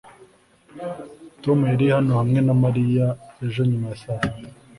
tom yari hano hamwe na mariya ejo nyuma ya saa sita